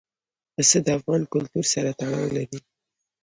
پسه د افغان کلتور سره تړاو لري.